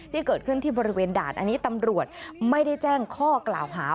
ที่เกิดขึ้นที่บริเวณด่านอันนี้ตำรวจไม่ได้แจ้งข้อกล่าวหา